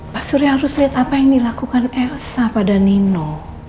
pak surya harus lihat apa yang dilakukan elsa pada nino